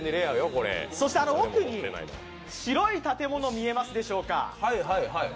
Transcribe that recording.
そして奥に白い建物見えますでしょうか。